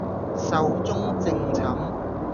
壽終正寢